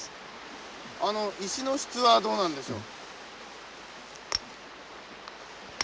あの石の質はどうなんでしょう？